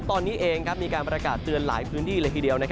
ตอนนี้เองมีการประกาศเตือนหลายพื้นที่เลยทีเดียว